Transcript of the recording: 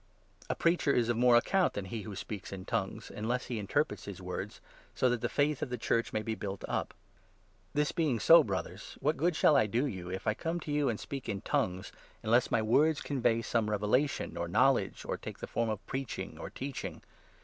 A Preacher is of more account than he who speaks in 'tongues,' unless he interprets his words, so that the faith of the Church may be built up. This being so, Brothers, 6 what good shall I do you, if I come to you and speak in 'tongues,' unless my words convey some revelation, or know ledge, or take the form of preaching or teaching?